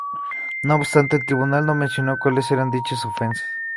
No obstante, el tribunal no mencionó cuales eran dichas ofensas.